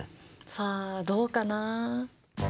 さあどうかな？